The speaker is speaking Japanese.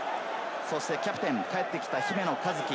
キャプテン、帰ってきた姫野和樹。